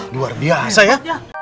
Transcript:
luar biasa ya